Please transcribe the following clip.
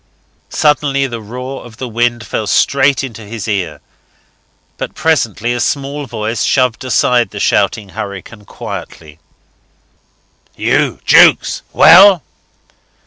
Suddenly the roar of the wind fell straight into his ear, but presently a small voice shoved aside the shouting hurricane quietly. "You, Jukes? Well?"